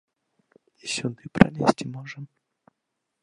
І сюды пралезці можа?